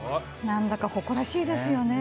何だか誇らしいですよね。